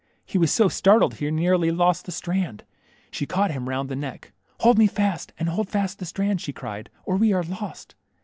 He was so startled he nearly lost the strand. She caught him round the neck. Hold me fast, and hold fast the strand," she cried, or we are lost."